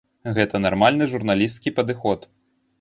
Гэта нармальны журналісцкі падыход.